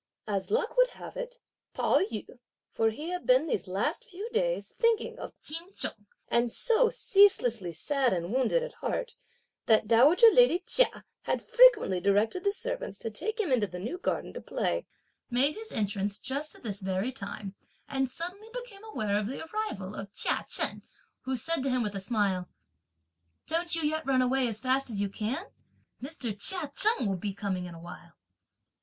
As luck would have it, Pao yü for he had been these last few days thinking of Ch'in Chung and so ceaselessly sad and wounded at heart, that dowager lady Chia had frequently directed the servants to take him into the new garden to play made his entrance just at this very time, and suddenly became aware of the arrival of Chia Chen, who said to him with a smile, "Don't you yet run away as fast as you can? Mr. Chia Cheng will be coming in a while."